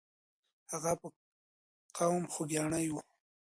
هغه په قوم خوګیاڼی وو.